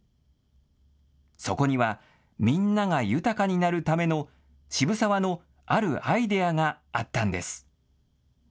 そこにはみんなが豊かになるための渋沢のあるアイデアがあったんです。